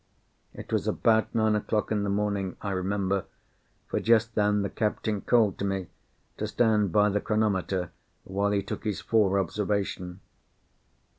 It was about nine o'clock in the morning, I remember, for just then the captain called to me to stand by the chronometer while he took his fore observation.